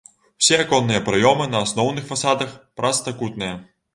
Усе аконныя праёмы на асноўных фасадах прастакутныя.